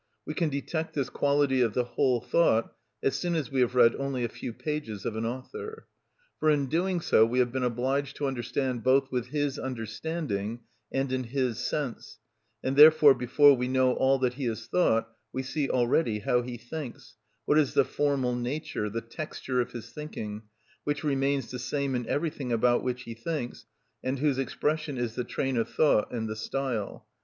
We can detect this quality of the whole thought as soon as we have read only a few pages of an author. For in doing so we have been obliged to understand both with his understanding and in his sense; and therefore before we know all that he has thought we see already how he thinks, what is the formal nature, the texture of his thinking, which remains the same in everything about which he thinks, and whose expression is the train of thought and the style.